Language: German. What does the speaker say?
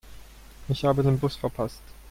Ich habe den Bus verpasst.